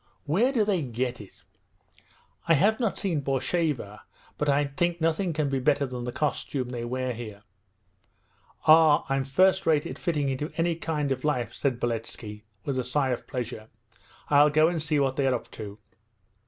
Where do they get it...' 'I have not seen Borsheva, but I think nothing could be better than the costume they wear here.' 'Ah, I'm first rate at fitting into any kind of life,' said Beletski with a sigh of pleasure. 'I'll go and see what they are up to.'